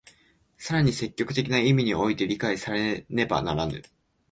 更に積極的な意味において理解されねばならぬ。